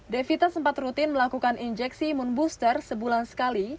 devita sempat rutin melakukan injeksi imun booster sebulan sekali